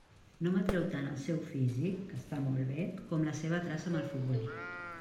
No m'atreu tant el seu físic, que està molt bé, com la seva traça amb el futbolí.